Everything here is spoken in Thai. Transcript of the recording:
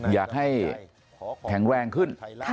อยากให้แข็งแรงขึ้น